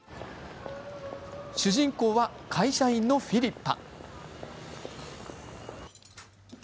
主人公は会社員のフィリッパ。